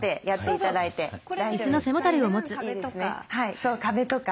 そう壁とか。